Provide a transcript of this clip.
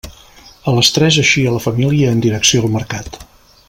A les tres eixia la família en direcció al Mercat.